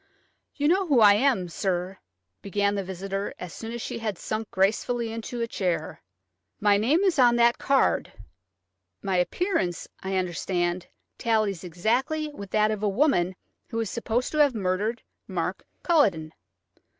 "You know who I am, sir," began the visitor as soon as she had sunk gracefully into a chair; "my name is on that card. My appearance, I understand, tallies exactly with that of a woman who is supposed to have murdered Mark Culledon."